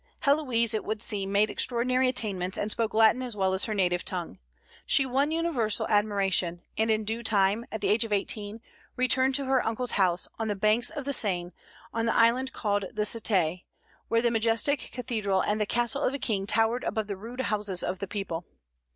Héloïse, it would seem, made extraordinary attainments, and spoke Latin as well as her native tongue. She won universal admiration, and in due time, at the age of eighteen, returned to her uncle's house, on the banks of the Seine, on the island called the Cité, where the majestic cathedral and the castle of the king towered above the rude houses of the people.